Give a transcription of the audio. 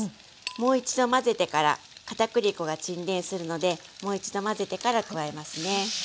もう一度混ぜてから片栗粉が沈殿するのでもう一度混ぜてから加えますね。